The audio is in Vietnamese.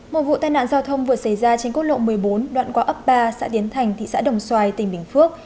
một vụ tai nạn giao thông vừa xảy ra trên quốc lộ một mươi bốn đoạn qua ấp ba xã tiến thành thị xã đồng xoài tỉnh bình phước